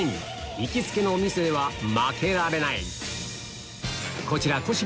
行きつけのお店では負けられないこちら小芝